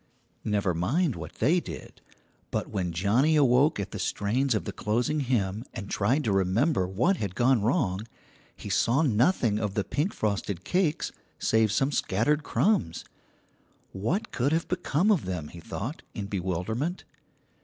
Never mind what they did; but when Johnnie awoke at the strains of the closing hymn and tried to remember what had gone wrong, he saw nothing of the pink frosted cakes save some scattered crumbs. What could have become of them, he thought, in bewilderment.